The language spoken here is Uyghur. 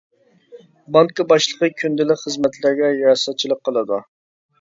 بانكا باشلىقى كۈندىلىك خىزمەتلەرگە رىياسەتچىلىك قىلىدۇ.